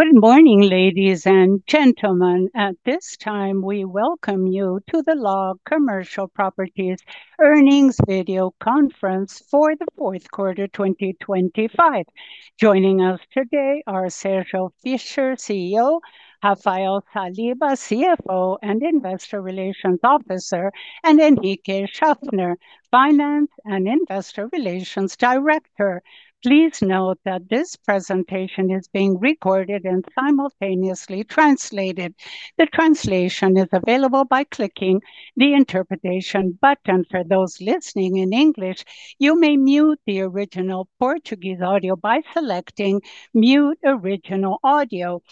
Good morning, ladies and gentlemen. At this time, we welcome you to the LOG Commercial Properties earnings video conference for the fourth quarter, 2025. Joining us today are Sérgio Fischer, CEO, Rafael Saliba, CFO and Investor Relations Officer, and Henrique Schuffner, Finance and Investor Relations Director. Please note that this presentation is being recorded and simultaneously translated. The translation is available by clicking the Interpretation button. For those listening in English, you may mute the original Portuguese audio by selecting Mute Original Audio.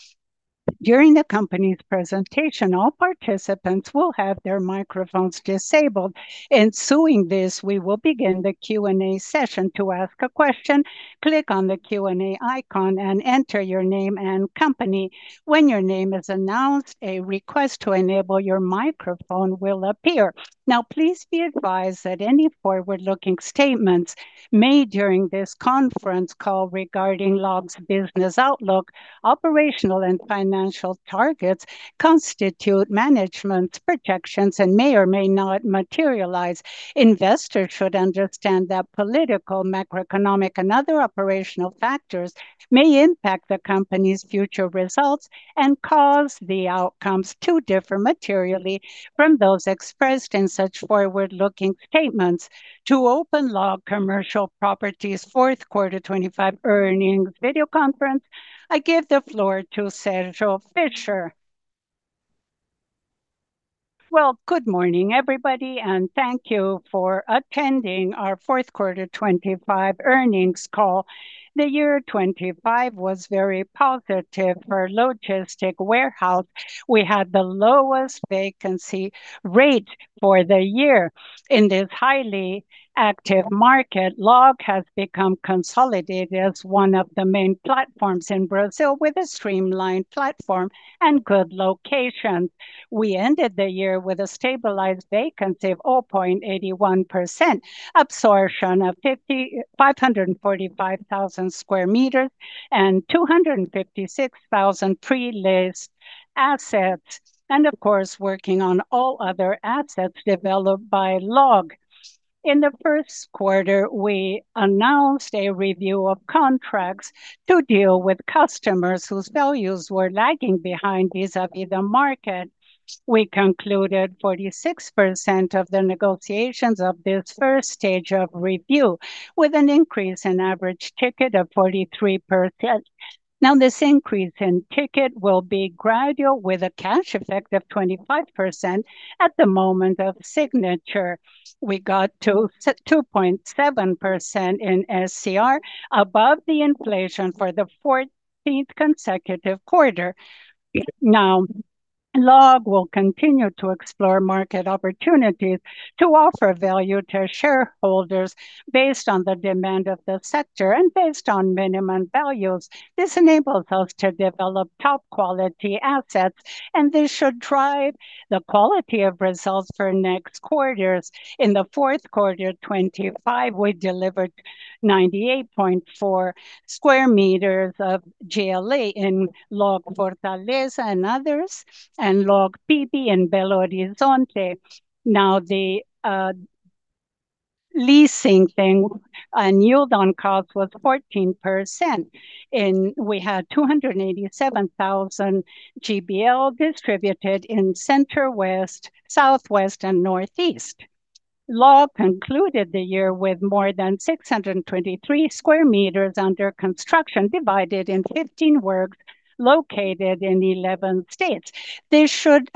During the company's presentation, all participants will have their microphones disabled; after this, we will begin the Q&A session. To ask a question, click on the Q&A icon and enter your name and company. When your name is announced, a request to enable your microphone will appear. Now, please be advised that any forward-looking statements made during this conference call regarding LOG's business outlook, operational and financial targets, constitute management's projections and may or may not materialize. Investors should understand that political, macroeconomic, and other operational factors may impact the company's future results and cause the outcomes to differ materially from those expressed in such forward-looking statements. To open LOG Commercial Properties fourth quarter 2025 earnings video conference, I give the floor to Sérgio Fischer. Well, good morning, everybody, and thank you for attending our fourth quarter 2025 earnings call. The year 2025 was very positive for logistics warehouse. We had the lowest vacancy rate for the year. In this highly active market, LOG has become consolidated as one of the main platforms in Brazil, with a streamlined platform and good location. We ended the year with a stabilized vacancy of 0.81%, absorption of 545,000 square meters, and 256,000 pre-leased assets, and of course, working on all other assets developed by LOG. In the first quarter, we announced a review of contracts to deal with customers whose values were lagging behind vis-à-vis the market. We concluded 46% of the negotiations of this first stage of review, with an increase in average ticket of 43%. Now, this increase in ticket will be gradual, with a cash effect of 25% at the moment of signature. We got to set 2.7% in SCR, above the inflation for the 14th consecutive quarter. Now, LOG will continue to explore market opportunities to offer value to shareholders based on the demand of the sector and based on minimum values. This enables us to develop top-quality assets, and this should drive the quality of results for next quarters. In the fourth quarter 2025, we delivered 98.4 square meters of GLA in Log Fortaleza and others, and Log PB in Belo Horizonte. Now, the leasing thing, and yield on cost was 14%, and we had 287,000 GLA distributed in Central West, Southwest, and Northeast. Log concluded the year with more than 623 square meters under construction, divided in 15 works located in 11 states. This should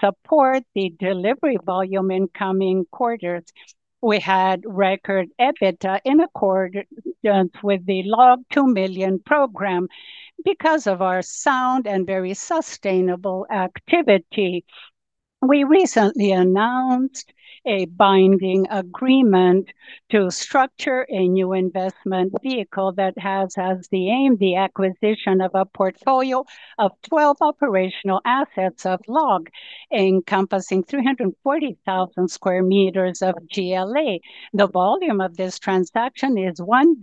support the delivery volume in coming quarters. We had record EBITDA in accord with the Log Two Million program. Because of our sound and very sustainable activity, we recently announced a binding agreement to structure a new investment vehicle that has as the aim the acquisition of a portfolio of 12 operational assets of Log, encompassing 340,000 square meters of GLA. The volume of this transaction is 1.50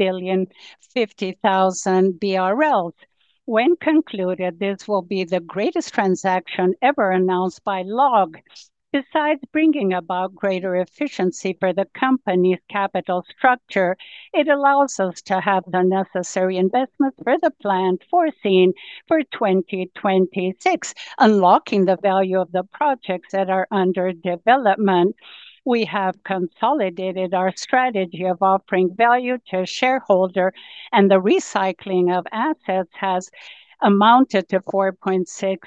billion BRL. When concluded, this will be the greatest transaction ever announced by Log. Besides bringing about greater efficiency for the company's capital structure, it allows us to have the necessary investments for the plan foreseen for 2026, unlocking the value of the projects that are under development. We have consolidated our strategy of offering value to shareholder, and the recycling of assets has amounted to 4.6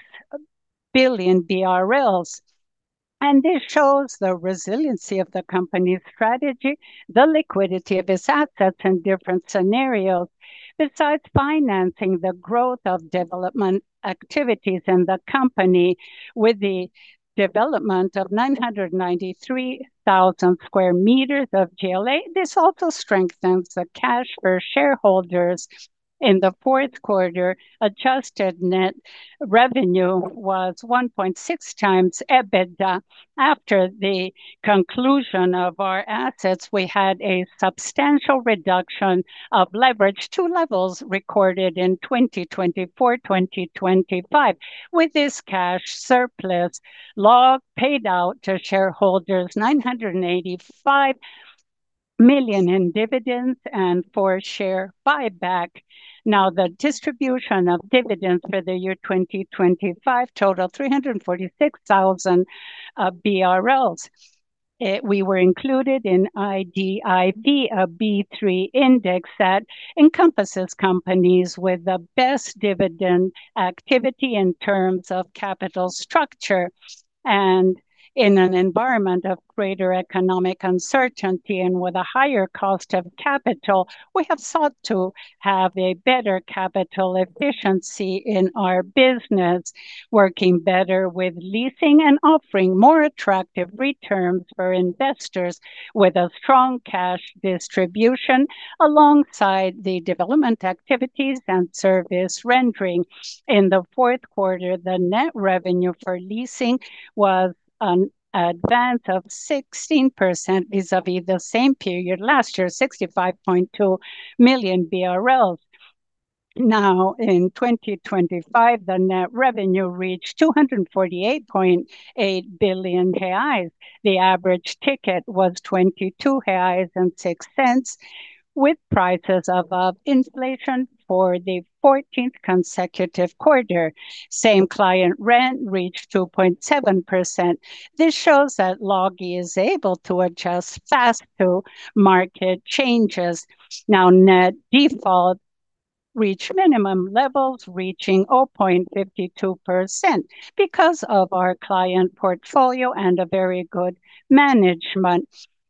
billion BRL. This shows the resiliency of the company's strategy, the liquidity of its assets in different scenarios. Besides financing the growth of development activities in the company with the development of 993,000 square meters of GLA, this also strengthens the cash for shareholders. In the fourth quarter, adjusted net revenue was one point six times EBITDA. After the conclusion of our assets, we had a substantial reduction of leverage to levels recorded in 2024, 2025. With this cash surplus, LOG paid out to shareholders 985 million in dividends and for share buyback. Now, the distribution of dividends for the year 2025 totaled 346,000 BRL. We were included in IDIV, a B3 index that encompasses companies with the best dividend activity in terms of capital structure. In an environment of greater economic uncertainty and with a higher cost of capital, we have sought to have a better capital efficiency in our business, working better with leasing and offering more attractive returns for investors with a strong cash distribution, alongside the development activities and service rendering. In the fourth quarter, the net revenue for leasing was an advance of 16% vis-à-vis the same period last year, 65.2 million BRL. Now, in 2025, the net revenue reached 248.8 billion reais. The average ticket was 22.06 reais, with prices above inflation for the 14th consecutive quarter. Same client rent reached 2.7%. This shows that LOG is able to adjust fast to market changes. Now, net default reached minimum levels, reaching 0.52%. Because of our client portfolio and a very good management,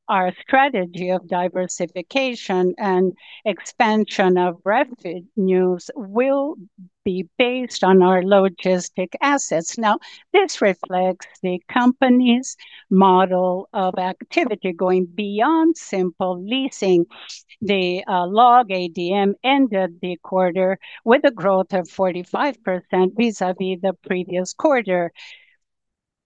our strategy of diversification and expansion of revenues will be based on our LOGistics assets. Now, this reflects the company's model of activity going beyond simple leasing. The LOG ADM ended the quarter with a growth of 45% vis-à-vis the previous quarter.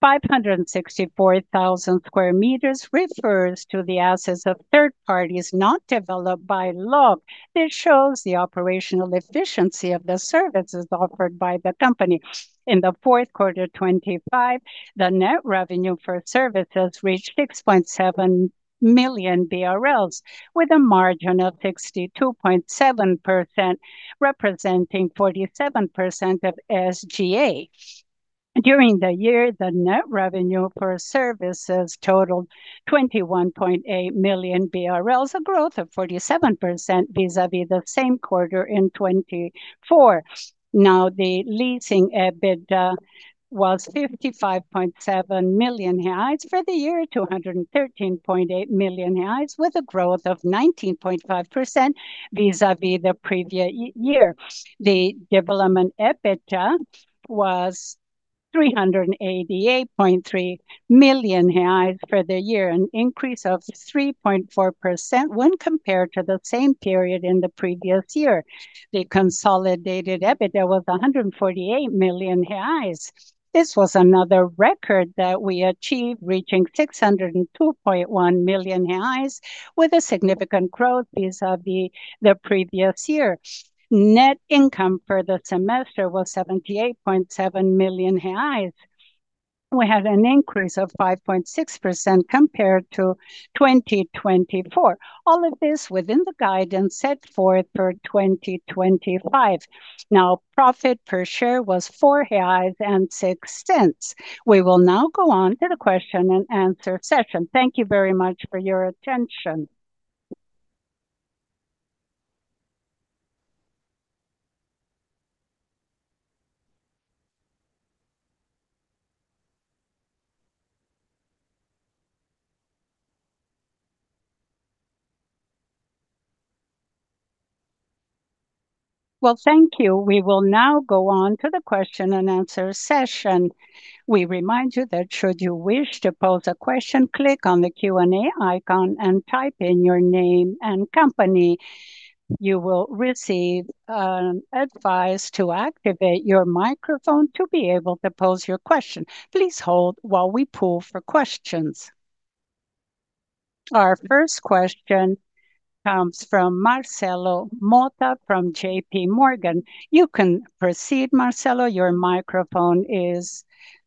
564,000 square meters refers to the assets of third parties not developed by LOG. This shows the operational efficiency of the services offered by the company. In the fourth quarter 2025, the net revenue for services reached 6.7 million BRL, with a margin of 62.7%, representing 47% of SG&A. During the year, the net revenue for services totaled 21.8 million BRL, a growth of 47% vis-à-vis the same quarter in 2024. Now, the leasing EBITDA was 55.7 million reais. For the year, 213.8 million reais, with a growth of 19.5% vis-à-vis the previous year. The development EBITDA was 388.3 million reais for the year, an increase of 3.4% when compared to the same period in the previous year. The consolidated EBITDA was 148 million reais. This was another record that we achieved, reaching 602.1 million reais, with a significant growth vis-à-vis the previous year. Net income for the semester was 78.7 million reais. We had an increase of 5.6% compared to 2024. All of this within the guidance set forth for 2025. Now, profit per share was 4.06 reais. We will now go on to the question and answer session. Thank you very much for your attention. Well, thank you. We will now go on to the question and answer session. We remind you that should you wish to pose a question, click on the Q&A icon and type in your name and company. You will receive advice to activate your microphone to be able to pose your question. Please hold while we poll for questions. Our first question comes from Marcelo Motta from JPMorgan. You can proceed, Marcelo. Your microphone is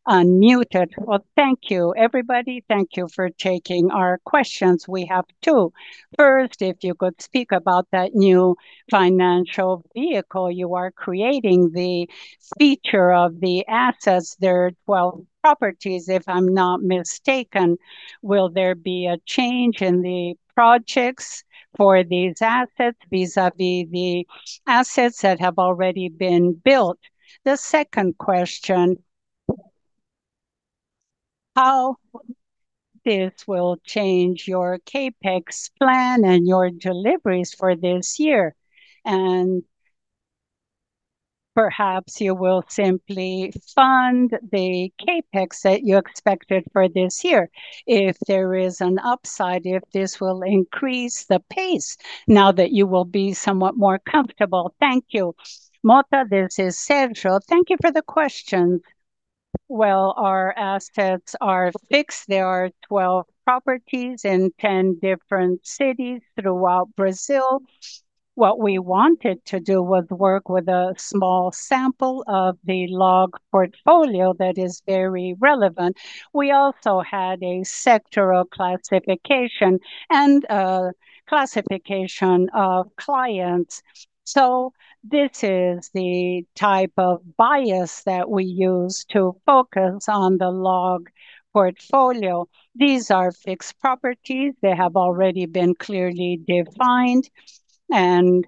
unmuted. Well, thank you, everybody. Thank you for taking our questions. We have two. First, if you could speak about that new financial vehicle you are creating, the feature of the assets, they're, well, properties, if I'm not mistaken. Will there be a change in the projects for these assets vis-à-vis the assets that have already been built? The second question: How this will change your CapEx plan and your deliveries for this year? And perhaps you will simply fund the CapEx that you expected for this year. If there is an upside, if this will increase the pace now that you will be somewhat more comfortable. Thank you. Motta, this is Sérgio. Thank you for the question. Well, our assets are fixed. There are 12 properties in 10 different cities throughout Brazil. What we wanted to do was work with a small sample of the Log portfolio that is very relevant. We also had a sectoral classification and classification of clients. So this is the type of bias that we use to focus on the Log portfolio. These are fixed properties. They have already been clearly defined, and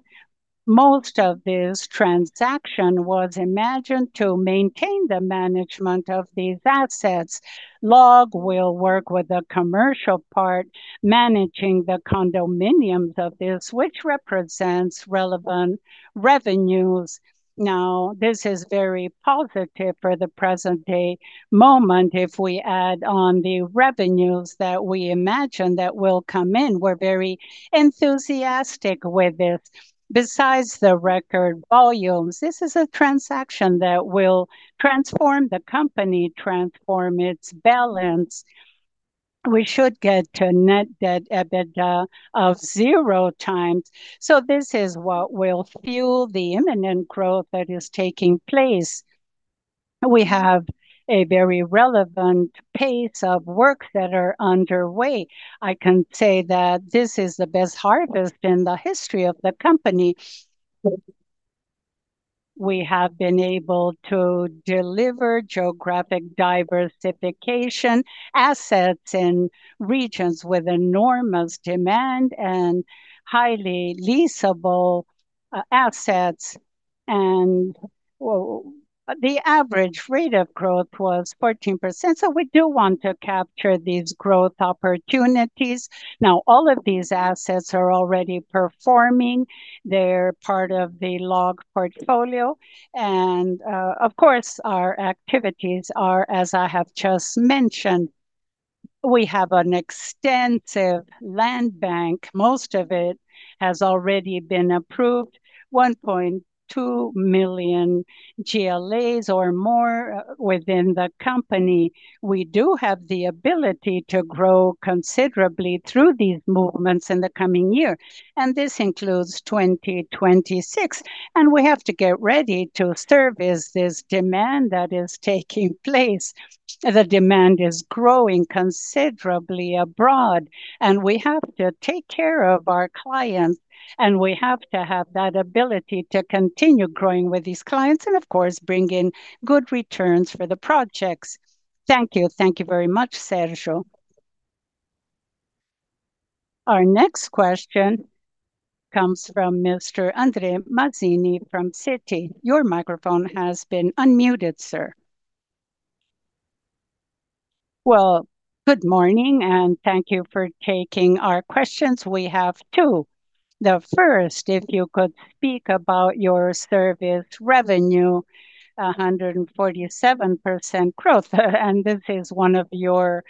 most of this transaction was imagined to maintain the management of these assets. LOG will work with the commercial part, managing the condominiums of this, which represents relevant revenues. Now, this is very positive for the present-day moment if we add on the revenues that we imagine that will come in. We're very enthusiastic with this. Besides the record volumes, this is a transaction that will transform the company, transform its balance. We should get to net debt/EBITDA of zero times. So this is what will fuel the imminent growth that is taking place. We have a very relevant pace of work that are underway. I can say that this is the best harvest in the history of the company. We have been able to deliver geographic diversification, assets in regions with enormous demand, and highly leasable, assets. And, well, the average rate of growth was 14%, so we do want to capture these growth opportunities. Now, all of these assets are already performing. They're part of the LOG portfolio. And, of course, our activities are, as I have just mentioned, we have an extensive land bank. Most of it has already been approved, 1.2 million GLAs or more within the company. We do have the ability to grow considerably through these movements in the coming year, and this includes 2026, and we have to get ready to service this demand that is taking place. The demand is growing considerably abroad, and we have to take care of our clients, and we have to have that ability to continue growing with these clients and, of course, bring in good returns for the projects. Thank you. Thank you very much, Sérgio. Our next question comes from Mr. André Mazini from Citi. Your microphone has been unmuted, sir. Well, good morning, and thank you for taking our questions. We have two. The first, if you could speak about your service revenue, 147% growth, and this is one of your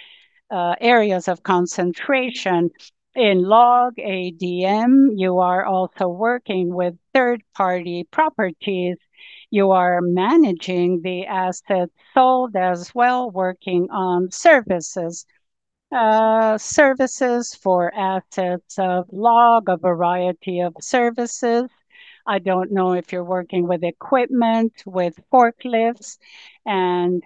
areas of concentration. In Log ADM, you are also working with third-party properties. You are managing the assets sold as well, working on services. Services for assets of Log, a variety of services. I don't know if you're working with equipment, with forklifts, and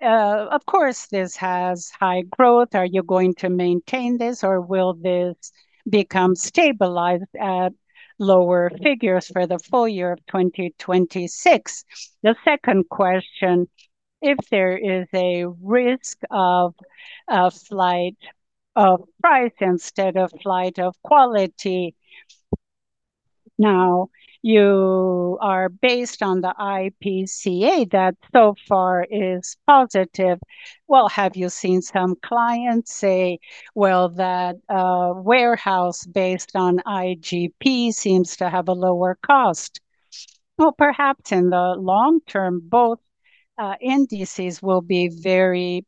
of course, this has high growth. Are you going to maintain this, or will this become stabilized at lower figures for the full year of 2026? The second question, if there is a risk of flight of price instead of flight of quality. Now, you are based on the IPCA that so far is positive. Well, have you seen some clients say, "Well, that warehouse based on IGP seems to have a lower cost?" Well, perhaps in the long term, both indices will be very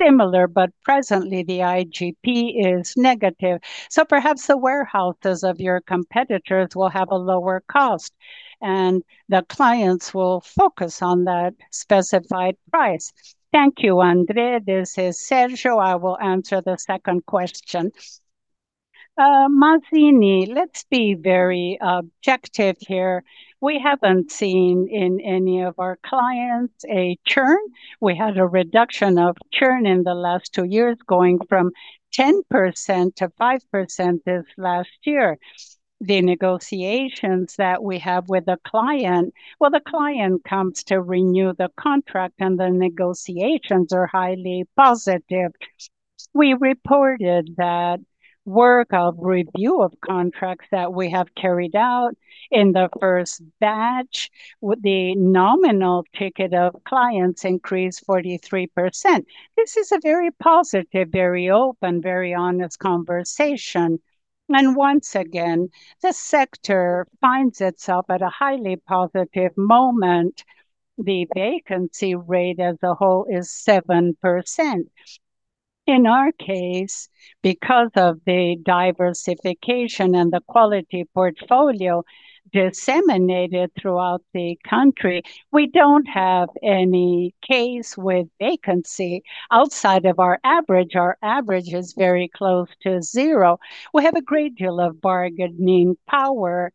similar, but presently the IGP is negative. So perhaps the warehouses of your competitors will have a lower cost, and the clients will focus on that specified price. Thank you, André. This is Sérgio. I will answer the second question. Mazini, let's be very objective here. We haven't seen in any of our clients a churn. We had a reduction of churn in the last two years, going from 10% to 5% this last year. The negotiations that we have with the client. Well, the client comes to renew the contract, and the negotiations are highly positive. We reported that work of review of contracts that we have carried out in the first batch, with the nominal ticket of clients increased 43%. This is a very positive, very open, very honest conversation. And once again, the sector finds itself at a highly positive moment. The vacancy rate as a whole is 7%.... In our case, because of the diversification and the quality portfolio disseminated throughout the country, we don't have any case with vacancy outside of our average. Our average is very close to zero. We have a great deal of bargaining power.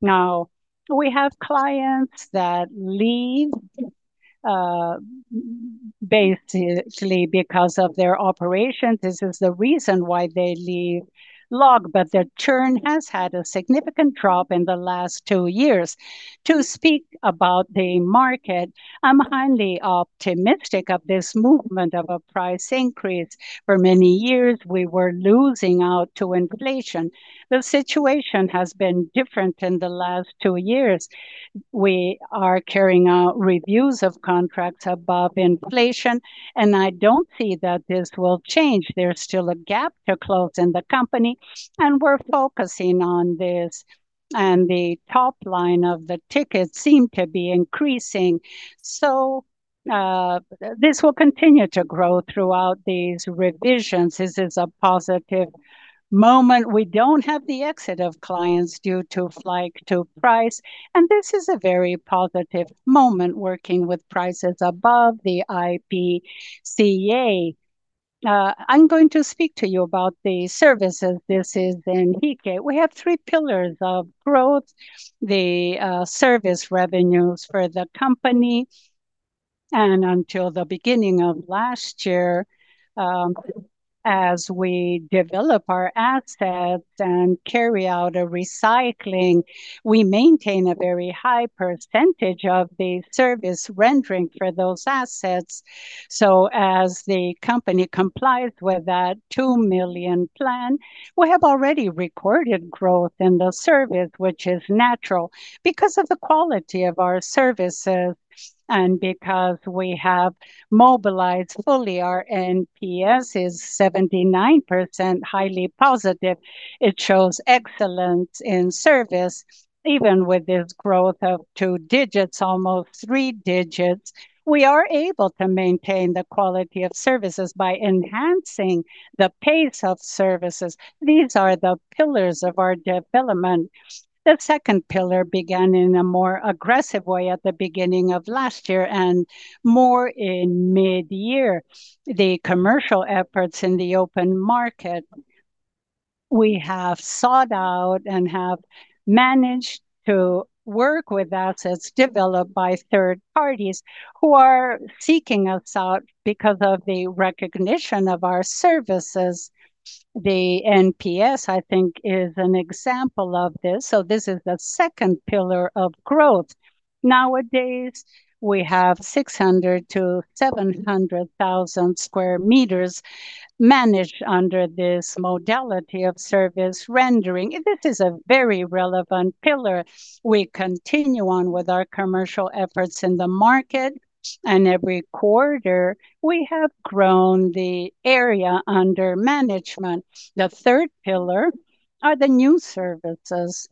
Now, do we have clients that leave, basically because of their operations? This is the reason why they leave Log, but their churn has had a significant drop in the last two years. To speak about the market, I'm highly optimistic of this movement of a price increase. For many years, we were losing out to inflation. The situation has been different in the last two years. We are carrying out reviews of contracts above inflation, and I don't see that this will change. There's still a gap to close in the company, and we're focusing on this, and the top line of the tickets seem to be increasing. So, this will continue to grow throughout these revisions. This is a positive moment. We don't have the exit of clients due to flight to price, and this is a very positive moment working with prices above the IPCA. I'm going to speak to you about the services. This is in PK. We have three pillars of growth: service revenues for the company, and until the beginning of last year, as we develop our assets and carry out a recycling, we maintain a very high percentage of the service rendering for those assets. So as the company complies with that two million plan, we have already recorded growth in the service, which is natural because of the quality of our services and because we have mobilized fully. Our NPS is 79%, highly positive. It shows excellence in service. Even with this growth of two digits, almost three digits, we are able to maintain the quality of services by enhancing the pace of services. These are the pillars of our development. The second pillar began in a more aggressive way at the beginning of last year and more in midyear. The commercial efforts in the open market, we have sought out and have managed to work with assets developed by third parties who are seeking us out because of the recognition of our services. The NPS, I think, is an example of this, so this is the second pillar of growth. Nowadays, we have 600-700 thousand sq m managed under this modality of service rendering. This is a very relevant pillar. We continue on with our commercial efforts in the market, and every quarter we have grown the area under management. The third pillar are the new services.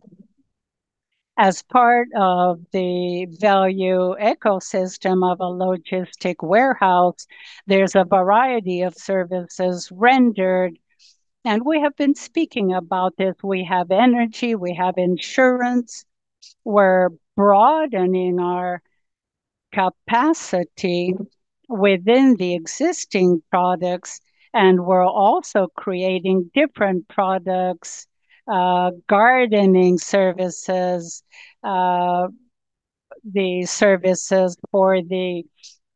As part of the value ecosystem of a LOGistics warehouse, there's a variety of services rendered, and we have been speaking about this. We have energy, we have insurance. We're broadening our capacity within the existing products, and we're also creating different products, gardening services, the services for the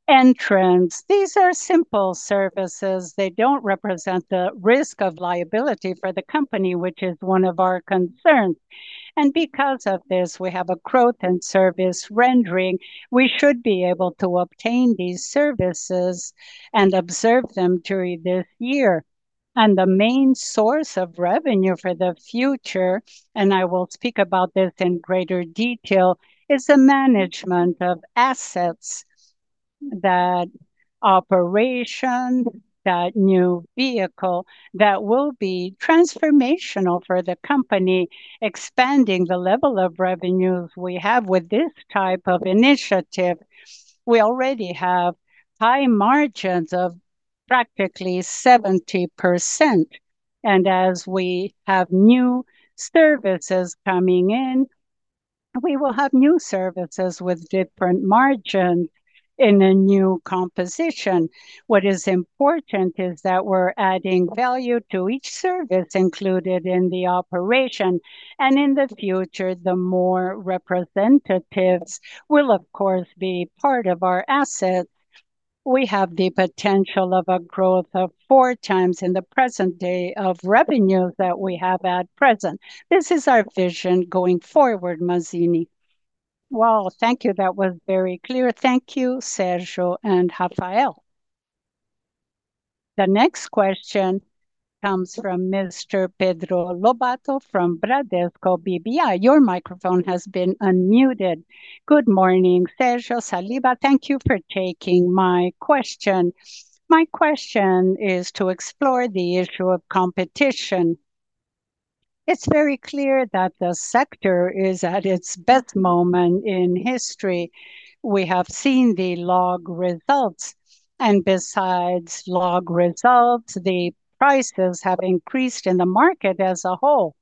entrance. These are simple services. They don't represent the risk of liability for the company, which is one of our concerns. And because of this, we have a growth in service rendering. We should be able to obtain these services and observe them during this year. And the main source of revenue for the future, and I will speak about this in greater detail, is the management of assets, that operation, that new vehicle that will be transformational for the company, expanding the level of revenues we have with this type of initiative. We already have high margins of practically 70%, and as we have new services coming in, we will have new services with different margin in a new composition. What is important is that we're adding value to each service included in the operation, and in the future, the more representatives will, of course, be part of our assets. We have the potential of a growth of four times in the present day of revenues that we have at present. This is our vision going forward, Mazini. Well, thank you. That was very clear. Thank you, Sérgio and Rafael. The next question comes from Mr. Pedro Lobato from Bradesco BBI. Your microphone has been unmuted. Good morning, Sérgio Saliba. Thank you for taking my question. My question is to explore the issue of competition. It's very clear that the sector is at its best moment in history. We have seen the LOG results, and besides LOG results, the prices have increased in the market as a whole.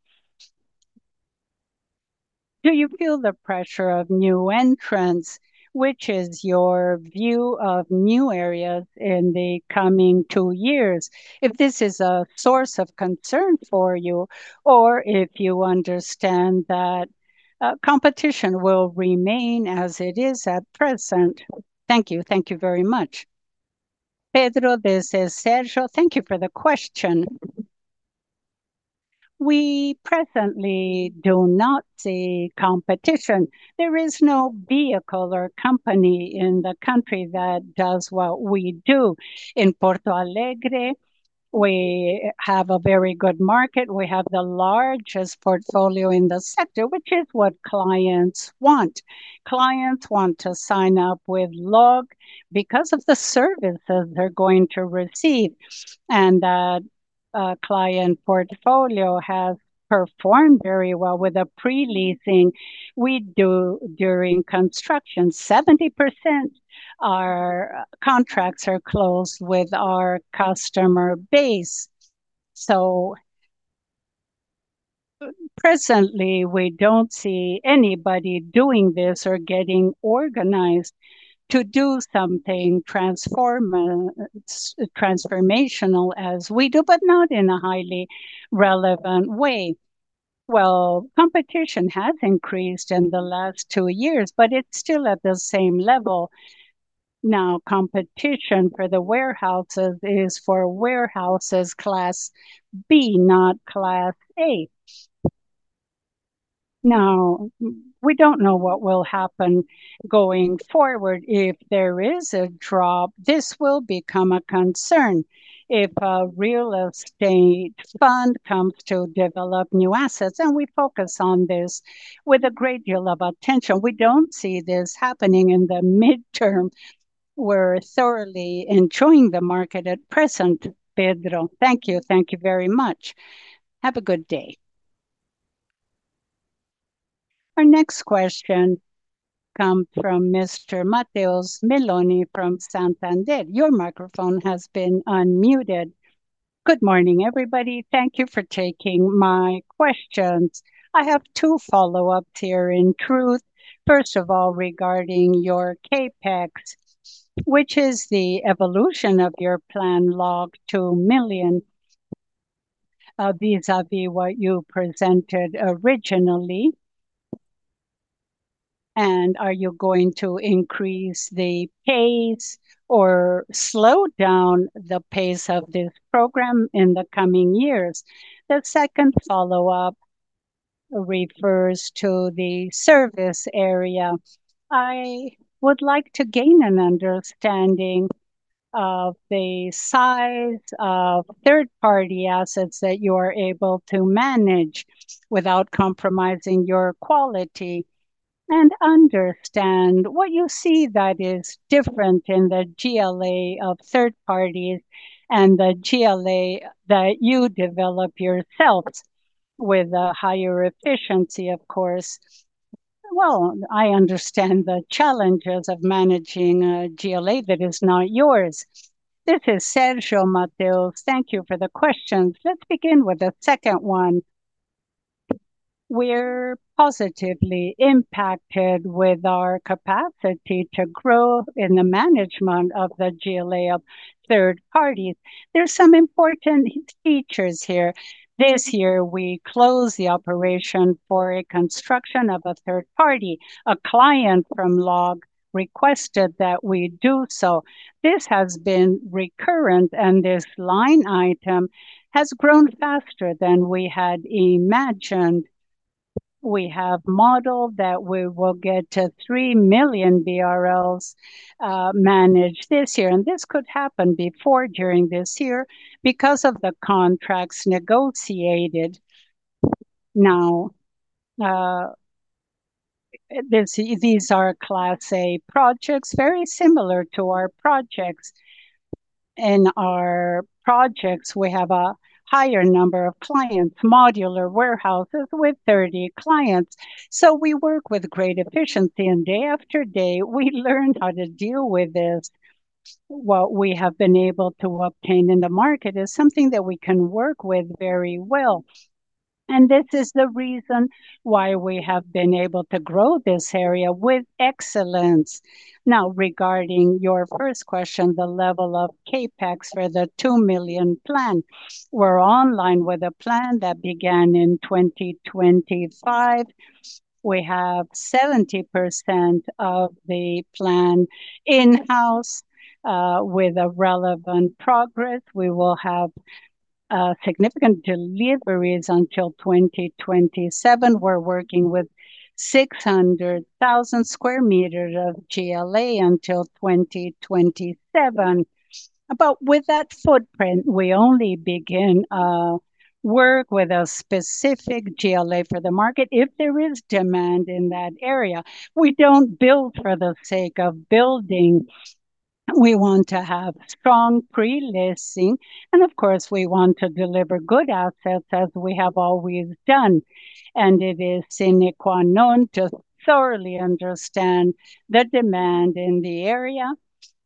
Do you feel the pressure of new entrants? Which is your view of new areas in the coming two years, if this is a source of concern for you, or if you understand that, competition will remain as it is at present? Thank you. Thank you very much. Pedro, this is Sérgio. Thank you for the question. We presently do not see competition. There is no vehicle or company in the country that does what we do. In Porto Alegre, we have a very good market. We have the largest portfolio in the sector, which is what clients want. Clients want to sign up with Log because of the services they're going to receive, and, client portfolio has performed very well with the pre-leasing we do during construction. 70% are contracts are closed with our customer base. So, presently, we don't see anybody doing this or getting organized to do something transformational as we do, but not in a highly relevant way. Well, competition has increased in the last two years, but it's still at the same level. Now, competition for the warehouses is for warehouses Class B, not Class A. Now, we don't know what will happen going forward. If there is a drop, this will become a concern. If a real estate fund comes to develop new assets, and we focus on this with a great deal of attention, we don't see this happening in the midterm. We're thoroughly enjoying the market at present, Pedro. Thank you. Thank you very much. Have a good day. Our next question come from Mr. Matheus Meloni from Santander. Your microphone has been unmuted. Good morning, everybody. Thank you for taking my questions. I have two follow-ups here, in truth. First of all, regarding your CapEx, which is the evolution of your plan Log Two Million, vis-à-vis what you presented originally, and are you going to increase the pace or slow down the pace of this program in the coming years? The second follow-up refers to the service area. I would like to gain an understanding of the size of third-party assets that you are able to manage without compromising your quality, and understand what you see that is different in the GLA of third parties and the GLA that you develop yourselves with a higher efficiency, of course. Well, I understand the challenges of managing a GLA that is not yours. This is Sérgio, Mateus. Thank you for the questions. Let's begin with the second one. We're positively impacted with our capacity to grow in the management of the GLA of third parties. There are some important features here. This year, we closed the operation for a construction of a third party. A client from Log requested that we do so. This has been recurrent, and this line item has grown faster than we had imagined. We have modeled that we will get to 3 million BRL managed this year, and this could happen before, during this year because of the contracts negotiated. Now, these, these are Class A projects, very similar to our projects. In our projects, we have a higher number of clients, modular warehouses with 30 clients. So we work with great efficiency, and day after day, we learned how to deal with this. What we have been able to obtain in the market is something that we can work with very well, and this is the reason why we have been able to grow this area with excellence. Now, regarding your first question, the level of CapEx for the two million plan, we're online with a plan that began in 2025. We have 70% of the plan in-house, with a relevant progress. We will have significant deliveries until 2027. We're working with 600,000 square meters of GLA until 2027. But with that footprint, we only begin work with a specific GLA for the market if there is demand in that area. We don't build for the sake of building. We want to have strong pre-leasing, and of course, we want to deliver good assets as we have always done. It is sine qua non to thoroughly understand the demand in the area,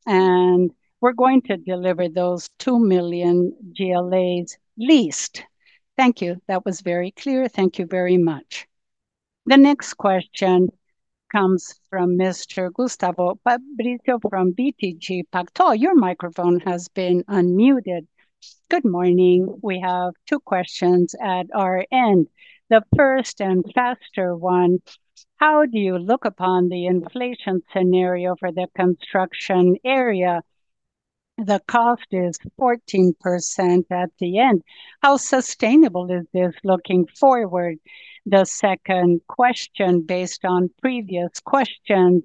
and we're going to deliver those 2 million GLAs leased. Thank you. That was very clear. Thank you very much. The next question comes from Mr. Gustavo Fabris from BTG Pactual. Your microphone has been unmuted. Good morning. We have two questions at our end. The first and faster one: How do you look upon the inflation scenario for the construction area? The cost is 14% at the end. How sustainable is this looking forward? The second question, based on previous question,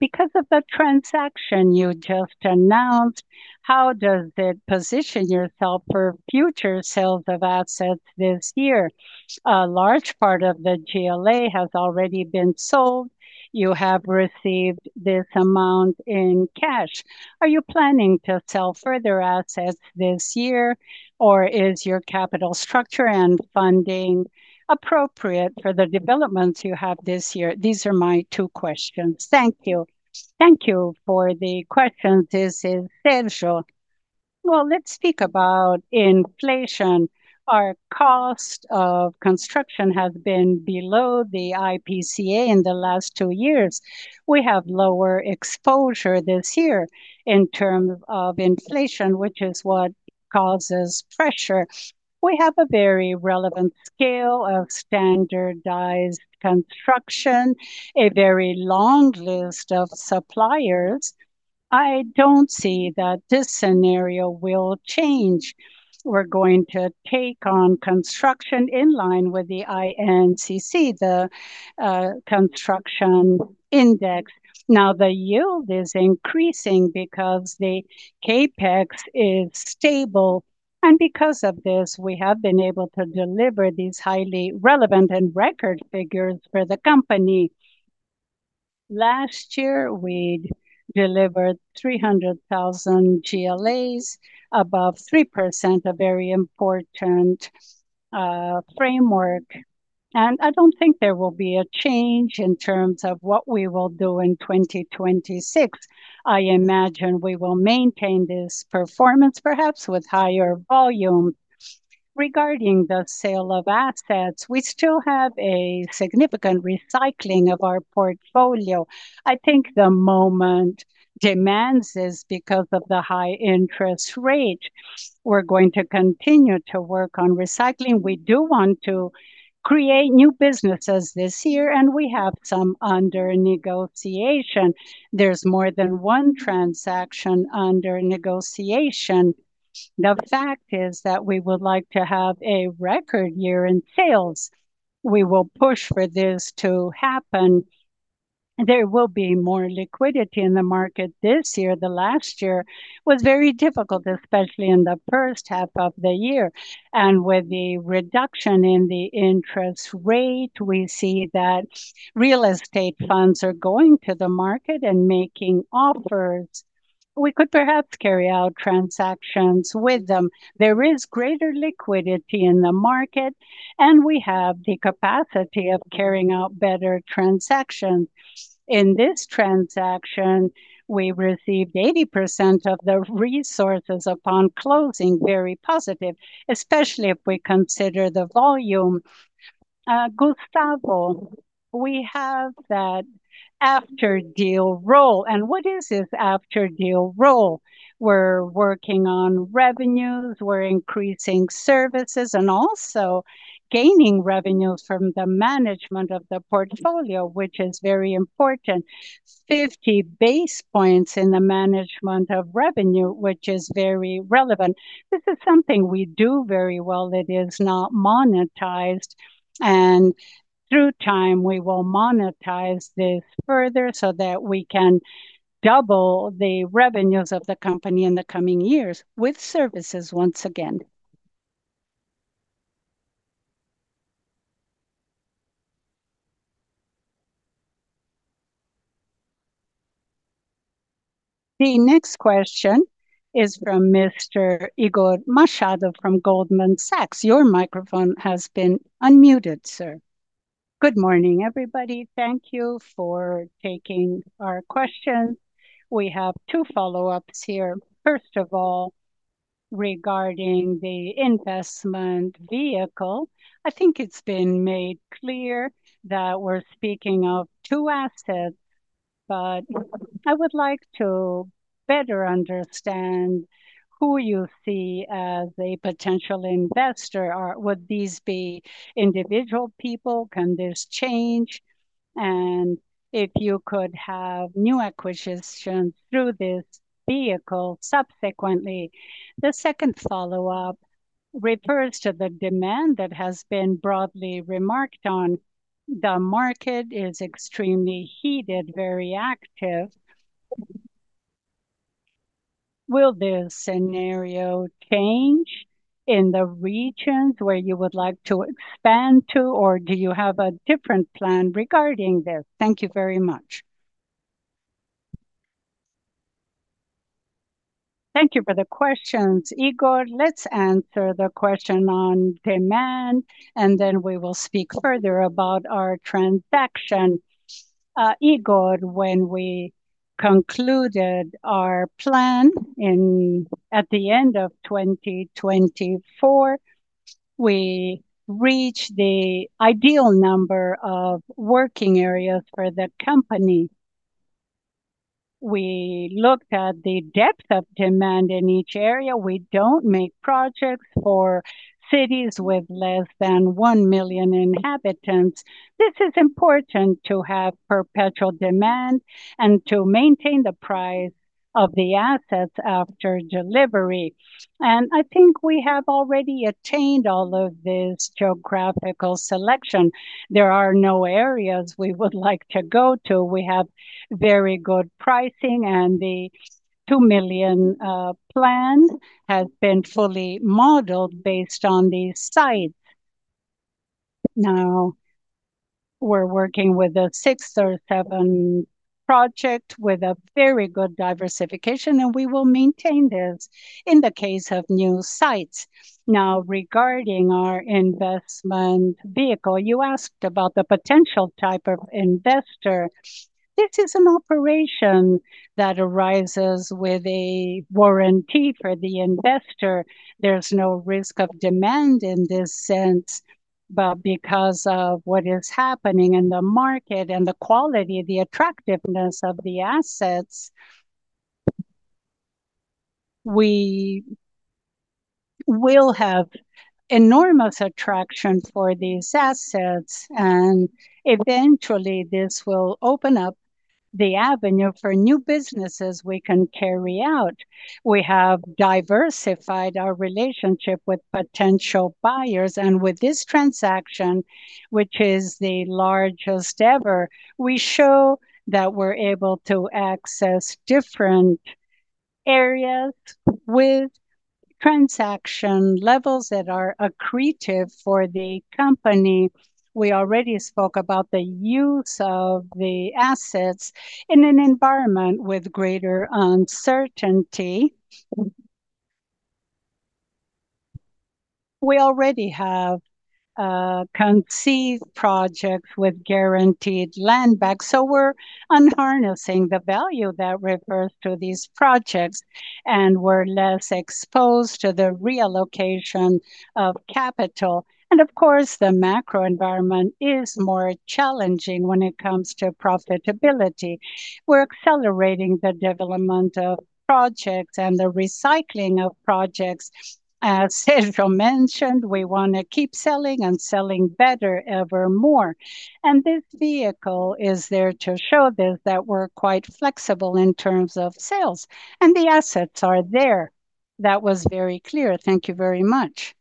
because of the transaction you just announced, how does it position yourself for future sales of assets this year? A large part of the GLA has already been sold. You have received this amount in cash. Are you planning to sell further assets this year, or is your capital structure and funding appropriate for the developments you have this year? These are my two questions. Thank you. Thank you for the questions. This is Sérgio. Well, let's speak about inflation. Our cost of construction has been below the IPCA in the last two years. We have lower exposure this year in terms of inflation, which is what causes pressure. We have a very relevant scale of standardized construction, a very long list of suppliers. I don't see that this scenario will change. We're going to take on construction in line with the INCC, the construction index. Now, the yield is increasing because the CapEx is stable, and because of this, we have been able to deliver these highly relevant and record figures for the company. Last year, we delivered 300,000 GLAs, above 3%, a very important framework, and I don't think there will be a change in terms of what we will do in 2026. I imagine we will maintain this performance, perhaps with higher volume. Regarding the sale of assets, we still have a significant recycling of our portfolio. I think the moment demands this because of the high interest rate. We're going to continue to work on recycling. We do want to create new businesses this year, and we have some under negotiation. There's more than one transaction under negotiation. The fact is that we would like to have a record year in sales. We will push for this to happen. There will be more liquidity in the market this year. The last year was very difficult, especially in the first half of the year, and with the reduction in the interest rate, we see that real estate funds are going to the market and making offers. We could perhaps carry out transactions with them. There is greater liquidity in the market, and we have the capacity of carrying out better transactions. In this transaction, we received 80% of the resources upon closing. Very positive, especially if we consider the volume. Gustavo, we have that after-deal role, and what is this after-deal role? We're working on revenues, we're increasing services, and also gaining revenues from the management of the portfolio, which is very important. 50 basis points in the management of revenue, which is very relevant. This is something we do very well that is not monetized, and through time, we will monetize this further so that we can double the revenues of the company in the coming years with services once again. The next question is from Mr. Igor Machado from Goldman Sachs. Your microphone has been unmuted, sir. Good morning, everybody. Thank you for taking our questions. We have two follow-ups here. First of all, regarding the investment vehicle, I think it's been made clear that we're speaking of two assets, but I would like to better understand who you see as a potential investor, or would these be individual people? Can this change? And if you could have new acquisitions through this vehicle subsequently. The second follow-up refers to the demand that has been broadly remarked on. The market is extremely heated, very active. Will this scenario change in the regions where you would like to expand to, or do you have a different plan regarding this? Thank you very much. Thank you for the questions, Igor. Let's answer the question on demand, and then we will speak further about our transaction. Igor, when we concluded our plan in at the end of 2024, we reached the ideal number of working areas for the company. We looked at the depth of demand in each area. We don't make projects for cities with less than 1 million inhabitants. This is important to have perpetual demand and to maintain the price of the assets after delivery. I think we have already attained all of this geographical selection. There are no areas we would like to go to. We have very good pricing, and the two million plan has been fully modeled based on these sites. Now, we're working with a six or seven project with a very good diversification, and we will maintain this in the case of new sites. Now, regarding our investment vehicle, you asked about the potential type of investor. This is an operation that arises with a warranty for the investor. There's no risk of demand in this sense, but because of what is happening in the market and the quality, the attractiveness of the assets, we will have enormous attraction for these assets, and eventually, this will open up the avenue for new businesses we can carry out. We have diversified our relationship with potential buyers, and with this transaction, which is the largest ever, we show that we're able to access different areas with transaction levels that are accretive for the company. We already spoke about the use of the assets in an environment with greater uncertainty. We already have conceived projects with guaranteed land back, so we're unharnessing the value that refers to these projects, and we're less exposed to the reallocation of capital. And of course, the macro environment is more challenging when it comes to profitability. We're accelerating the development of projects and the recycling of projects. As Sérgio mentioned, we want to keep selling and selling better evermore. And this vehicle is there to show this, that we're quite flexible in terms of sales, and the assets are there. That was very clear. Thank you very much.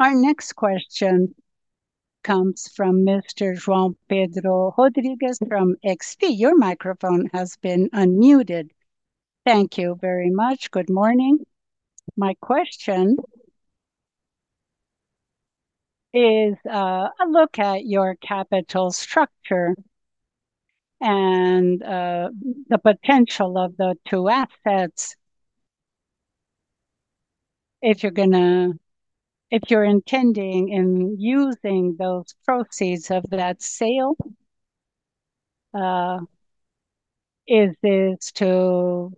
Our next question comes from Mr. Joao Pedro Rodrigues from XP. Your microphone has been unmuted. Thank you very much. Good morning. My question is, a look at your capital structure and, the potential of the two assets. If you're intending in using those proceeds of that sale, is this to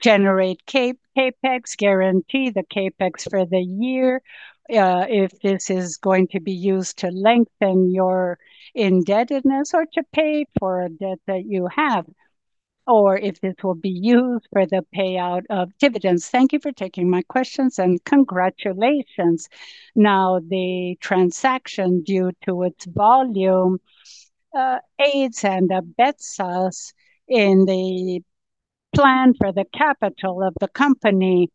generate CapEx, guarantee the CapEx for the year? If this is going to be used to lengthen your indebtedness or to pay for a debt that you have, or if this will be used for the payout of dividends. Thank you for taking my questions, and congratulations. Now, the transaction, due to its volume, aids and abets us in the plan for the capital of the company.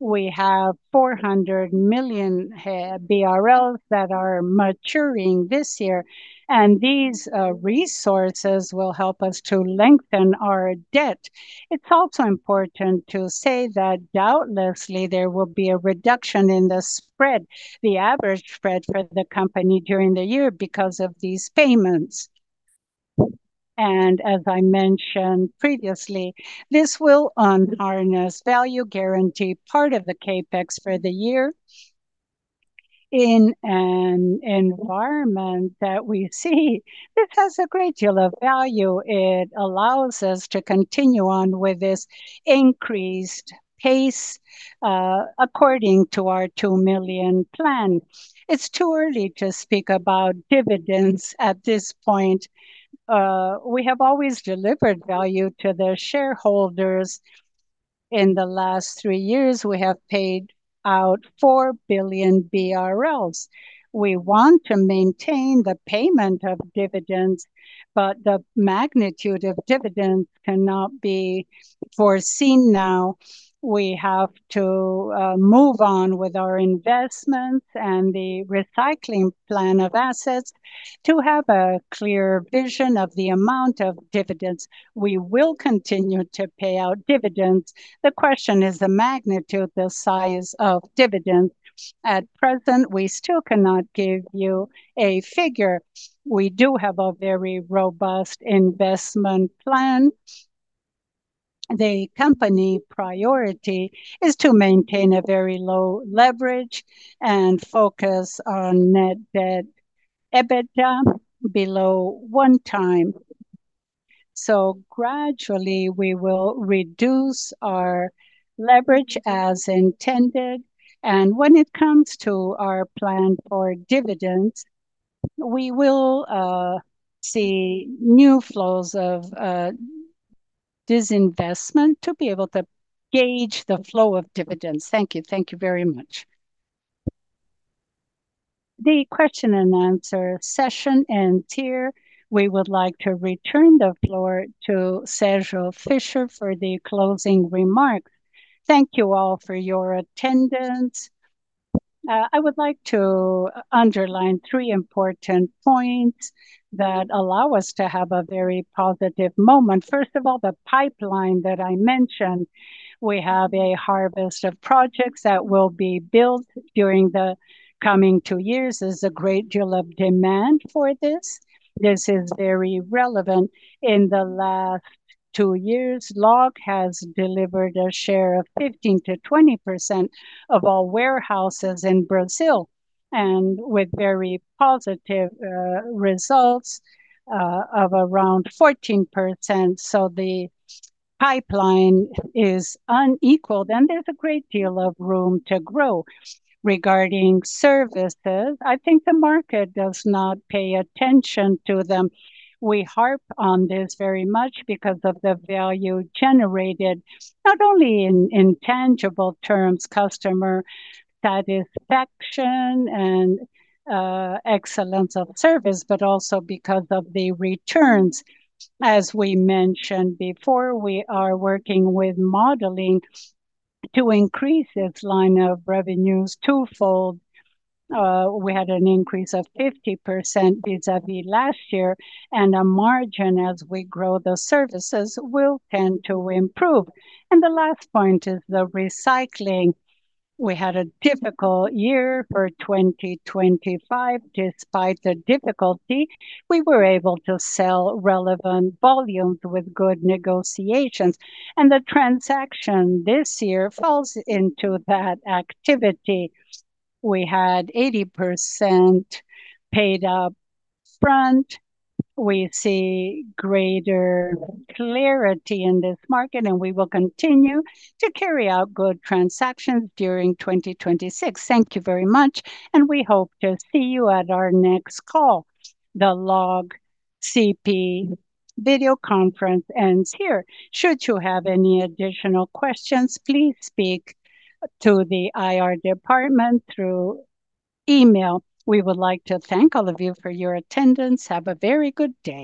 We have 400 million BRL that are maturing this year, and these resources will help us to lengthen our debt. It's also important to say that doubtlessly, there will be a reduction in the spread, the average spread for the company during the year because of these payments. And as I mentioned previously, this will unharness value, guarantee part of the CapEx for the year. In an environment that we see, this has a great deal of value. It allows us to continue on with this increased pace, according to our two million plan. It's too early to speak about dividends at this point. We have always delivered value to the shareholders.... In the last three years, we have paid out four billion BRL. We want to maintain the payment of dividends, but the magnitude of dividends cannot be foreseen now. We have to move on with our investments and the recycling plan of assets to have a clear vision of the amount of dividends. We will continue to pay out dividends. The question is the magnitude, the size of dividends. At present, we still cannot give you a figure. We do have a very robust investment plan. The company priority is to maintain a very low leverage and focus on net debt EBITDA below one time. So gradually, we will reduce our leverage as intended, and when it comes to our plan for dividends, we will see new flows of disinvestment to be able to gauge the flow of dividends. Thank you. Thank you very much. The question and answer session ends here. We would like to return the floor to Sérgio Fischer for the closing remarks. Thank you all for your attendance. I would like to underline three important points that allow us to have a very positive moment. First of all, the pipeline that I mentioned, we have a harvest of projects that will be built during the coming two years. There's a great deal of demand for this. This is very relevant. In the last two years, LOG has delivered a share of 15%-20% of all warehouses in Brazil, and with very positive results of around 14%, so the pipeline is unequaled, and there's a great deal of room to grow. Regarding services, I think the market does not pay attention to them. We harp on this very much because of the value generated, not only in tangible terms, customer satisfaction and excellence of service, but also because of the returns. As we mentioned before, we are working with modeling to increase its line of revenues twofold. We had an increase of 50% vis-à-vis last year, and our margin as we grow the services will tend to improve. The last point is the recycling. We had a difficult year for 2025. Despite the difficulty, we were able to sell relevant volumes with good negotiations, and the transaction this year falls into that activity. We had 80% paid up front. We see greater clarity in this market, and we will continue to carry out good transactions during 2026. Thank you very much, and we hope to see you at our next call. The LOG CP video conference ends here. Should you have any additional questions, please speak to the IR department through email. We would like to thank all of you for your attendance. Have a very good day.